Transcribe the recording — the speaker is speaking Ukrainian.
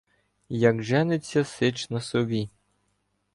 Як жениться сич на сові.